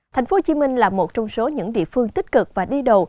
thành phố hồ chí minh là một trong số những địa phương tích cực và đi đầu